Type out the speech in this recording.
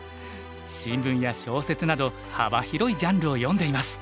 新聞や小説など幅広いジャンルを読んでいます。